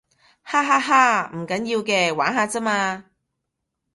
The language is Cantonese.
哈哈哈，唔緊要嘅，玩下咋嘛